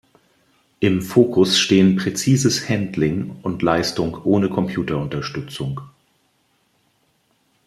Im Fokus stehen präzises Handling und Leistung ohne Computerunterstützung.